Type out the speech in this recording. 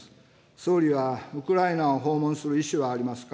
総理はウクライナを訪問する意思はありますか。